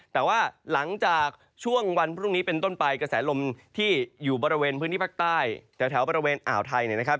แต่ว่าหลังจากช่วงวันพรุ่งนี้เป็นต้นไปกระแสลมที่อยู่บริเวณพื้นที่ภาคใต้แถวบริเวณอ่าวไทยเนี่ยนะครับ